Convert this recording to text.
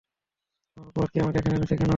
আমার অপরাধ কী আমাকে এখানে এনেছেন কেন?